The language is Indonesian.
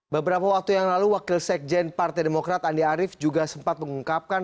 beberapa waktu yang lalu wakil sekjen partai demokrat andi arief juga sempat mengungkapkan